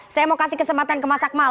saya mau kasih kesempatan ke mas akmal